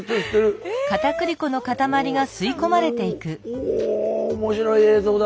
おぉ面白い映像だ。